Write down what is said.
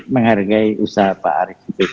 menghargai usaha pak arief